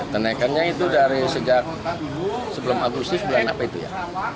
kenaikannya itu dari sejak sebelum agustus bulan apa itu ya